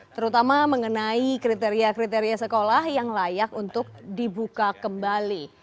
terutama mengenai kriteria kriteria sekolah yang layak untuk dibuka kembali